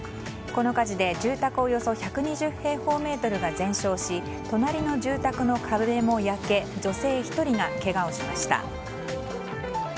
この火事で住宅およそ１２０平方メートルが全焼し隣の住宅の壁も焼け女性１人がけがをしました。